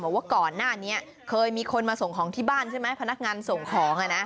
บอกว่าก่อนหน้านี้เคยมีคนมาส่งของที่บ้านใช่ไหมพนักงานส่งของ